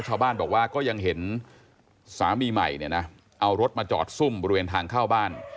ชาวบ้านบอกว่าก็ยังเห็นสามีใหม่เนี่ยนะเอารถมาจอดซุ่มบริเวณทางเข้าบ้าน